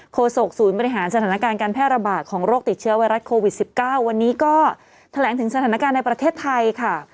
โศกศูนย์บริหารสถานการณ์การแพร่ระบาดของโรคติดเชื้อไวรัสโควิด๑๙วันนี้ก็แถลงถึงสถานการณ์ในประเทศไทยค่ะ